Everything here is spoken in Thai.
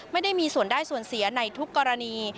ไม่ได้มีส่วนได้ส่วนเสียในทุกกรณี